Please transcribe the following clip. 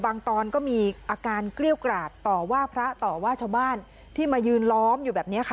ตอนก็มีอาการเกลี้ยวกราดต่อว่าพระต่อว่าชาวบ้านที่มายืนล้อมอยู่แบบนี้ค่ะ